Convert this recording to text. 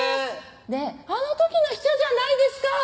あの時の人じゃないですか！